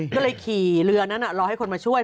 ก็เลยขี่เรือนั้นรอให้คนมาช่วย